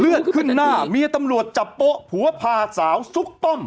ขึ้นหน้าเมียตำรวจจับโป๊ะผัวพาสาวซุกป้อม